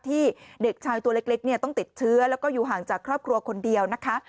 ที่เด็กชายตัวเล็กเนี่ยต้องติดเชื้อแล้วก็อยู่ห่างจากครอบครัวคนเดียวนะคะ